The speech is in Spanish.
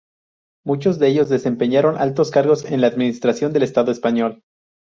Muchos de ellos desempeñaron altos cargos en la administración del estado español.